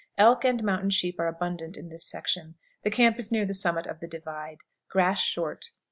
Elk and mountain sheep are abundant in this section. The camp is near the summit of the divide. Grass short.